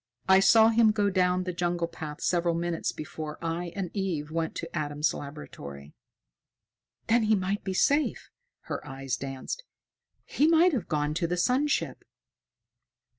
I saw him go down the jungle path several minutes before I and Eve went to Adam's laboratory." "Then he might be safe!" Her eyes danced. "He might have gone to the sun ship."